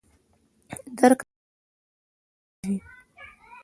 درک د پوهې له لارې راځي.